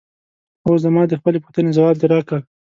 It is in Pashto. هو زما د خپلې پوښتنې ځواب دې راکړ؟